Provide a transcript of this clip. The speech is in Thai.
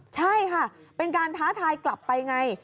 ใช่ค่ะเป็นการท้าทายกลับไปไง